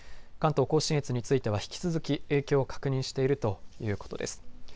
関東甲信越については引き続き影響を確認しているということです。